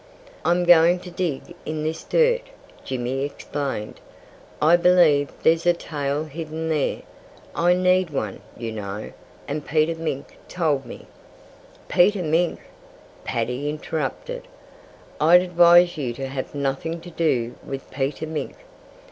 "I'm going to dig in this dirt," Jimmy explained. "I believe there's a tail hidden there. I need one, you know. And Peter Mink told me " "Peter Mink!" Paddy interrupted. "I'd advise you to have nothing to do with Peter Mink.